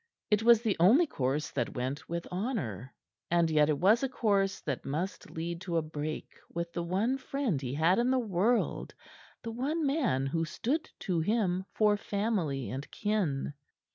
It was the only course that went with honor; and yet it was a course that must lead to a break with the one friend he had in the world the one man who stood to him for family and kin.